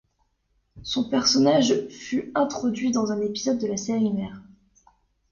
Son personnage fut introduit dans un épisode de la série mère.